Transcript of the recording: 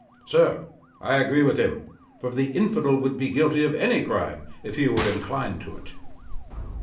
'Sir, I agree with him; for the infidel would be guilty of any crime if he were inclined to it.'